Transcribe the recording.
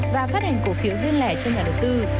và phát hành cổ phiếu riêng lẻ cho nhà đầu tư